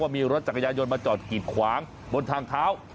มีรถจักรยานยนต์มาจอดกีดขวางบนทางเท้า